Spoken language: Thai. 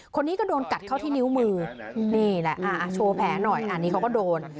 คนนี้ก็โดนกัดเข้าที่นิ้วมือนี่แหละโชว์แผลหน่อยอันนี้เขาก็โดน